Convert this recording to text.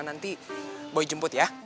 nanti boy jemput ya